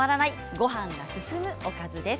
ごはんが進むおかずです。